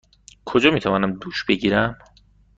کجا می توانم دوش بگیرم؟